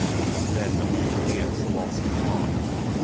Then the mutineers lost heart.